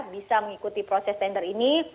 bisa mengikuti proses tender ini